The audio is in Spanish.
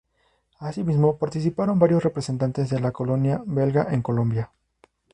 Asimismo participaron varios representantes de la colonia belga en Colombia.